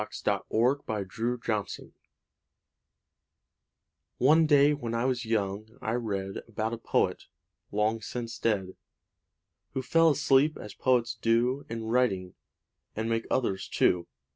XXIX THE POET WHO SLEEPS One day, when I was young, I read About a poet, long since dead, Who fell asleep, as poets do In writing and make others too.